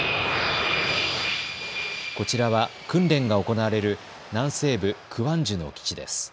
こちらは訓練が行われる南西部クワンジュの基地です。